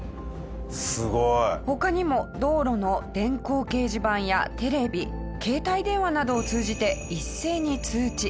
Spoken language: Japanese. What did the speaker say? すごい！他にも道路の電光掲示板やテレビ携帯電話などを通じて一斉に通知。